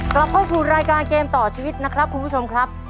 กลับเข้าสู่รายการเกมต่อชีวิตนะครับคุณผู้ชมครับ